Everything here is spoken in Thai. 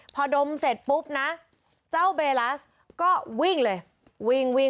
พอดมเสร็จปุ๊บนะเจ้าเบลัสก็วิ่งเลย